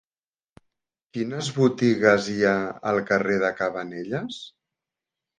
Quines botigues hi ha al carrer de Cabanelles?